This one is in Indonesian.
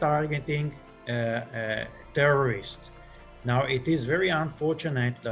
sekarang sangat kecewa bahwa teroris itu menyingkirkan pemerintah